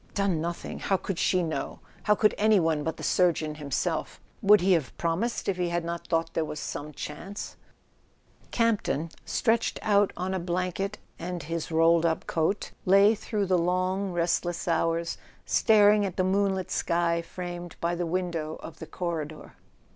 Done nothing! How could she know ? How could any one, but the surgeon himself? Would he have promised if he had not thought there was some chance ? Campton, stretched out on a blanket and his rolled up coat, lay through the long restless hours staring at the moonlit sky framed by the window of the corridor.